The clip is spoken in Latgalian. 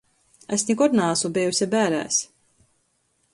Es nikod naasu bejuse bērēs.